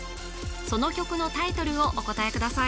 その曲のタイトルをお答えください